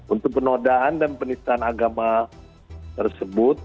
untuk penodaan dan penistaan agama tersebut